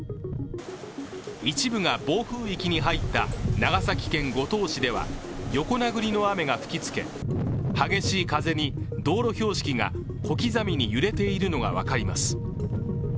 一部が暴風域に入った長崎県五島市では横殴りの雨が吹き付け、激しい風に道路標識が小刻みに揺れているのが分かります。